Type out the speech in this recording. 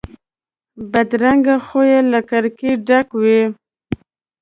بدرنګه خوی له کرکې ډک وي